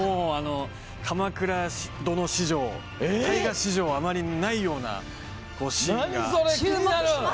「鎌倉殿」史上、大河史上あまりないようなシーンが。